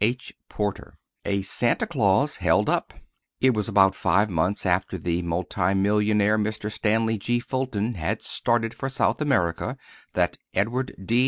CHAPTER VIII A SANTA CLAUS HELD UP It was about five months after the multi millionaire, Mr. Stanley G. Fulton, had started for South America, that Edward D.